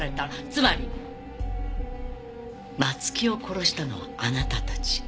つまり松木を殺したのはあなたたち。